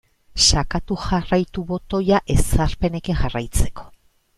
Sakatu jarraitu botoia ezarpenekin jarraitzeko.